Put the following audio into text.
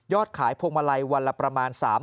ยอดขายพวงมะลิวันละประมาณ